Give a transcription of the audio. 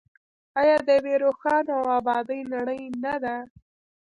آیا د یوې روښانه او ابادې نړۍ نه ده؟